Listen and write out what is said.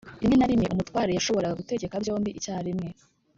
Rimwe na rimwe umutware yashoboraga gutegeka byombi icyarimwe: